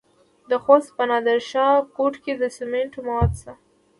د خوست په نادر شاه کوټ کې د سمنټو مواد شته.